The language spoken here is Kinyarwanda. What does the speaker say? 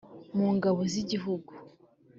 mu ngabo z igihugu